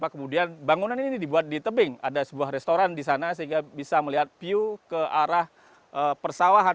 kemudian bangunan ini dibuat di tebing ada sebuah restoran di sana sehingga bisa melihat view ke arah persawahan